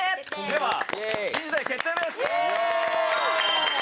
では「新時代」決定です。